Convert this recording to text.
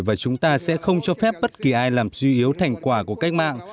và chúng ta sẽ không cho phép bất kỳ ai làm suy yếu thành quả của cách mạng